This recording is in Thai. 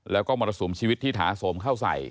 แล้วก็มรสุมชีวิตที่ถาสมเข้าใส่